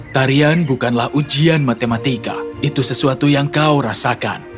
tarian bukanlah ujian matematika itu sesuatu yang kau rasakan